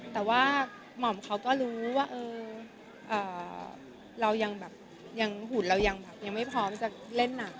แต่ว่าหม่อมเขาก็รู้ว่าหุ่นเรายังไม่พร้อมจะเล่นหนัง